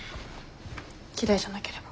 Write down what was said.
嫌いじゃなければ。